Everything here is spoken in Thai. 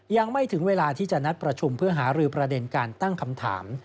ยังไม่ถึงเวลาที่จะนัดประชุมเพื่อหารือประเด็นการตั้งคำถาม